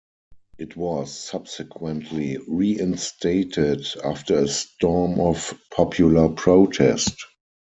It was subsequently reinstated, after a storm of popular protest.